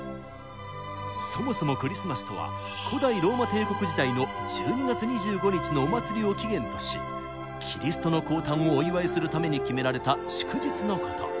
そもそもクリスマスとは古代ローマ帝国時代の１２月２５日のお祭りを起源としキリストの降誕をお祝いするために決められた祝日のこと。